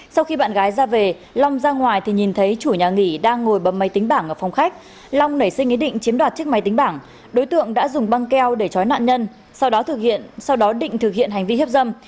sau khi bạn gái ra về long ra ngoài thì nhìn thấy chủ nhà nghỉ đang ngồi bấm máy tính bảng ở phòng khách long nảy sinh ý định chiếm đoạt chiếc máy tính bảng đối tượng đã dùng băng keo để trói nạn nhân sau đó thực hiện sau đó định thực hiện hành vi hiếp dâm